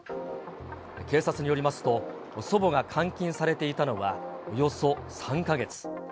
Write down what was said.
警察によりますと、祖母が監禁されていたのは、およそ３か月。